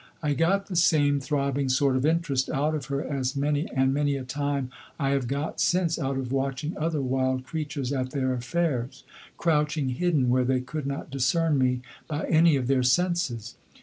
I got the same throbbing sort of interest out of her as many and many a time I have got since out of watching other wild creatures at their affairs, crouching hidden where they could not discern me by any of their senses.